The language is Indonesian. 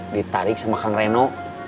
ditarik sama kang reno